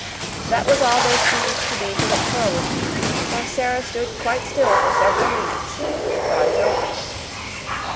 That was all there seemed to be to look forward to, and Sara stood quite still for several minutes and thought it over.